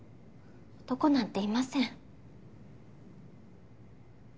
男なんていません。